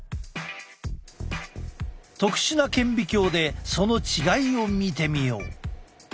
特殊な顕微鏡でその違いを見てみよう。